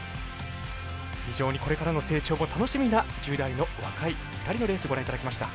非常にこれからの成長も楽しみな１０代の若い２人のレースご覧いただきました。